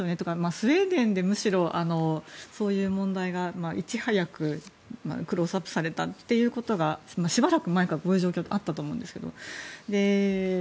スウェーデンでむしろそういう問題がいち早くクローズアップされたことがしばらく前からこういう状況があったと思うんですけど。